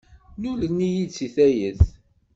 Nnulen-iyi-d deg tayet.